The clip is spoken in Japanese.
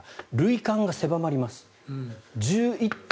塁間が狭まります。